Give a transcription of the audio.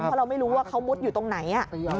เพราะเราไม่รู้ว่าเขามุดอยู่ตรงไหน